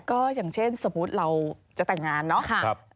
ก็อย่างเช่นสมมุติเราจะแต่งงานเนาะ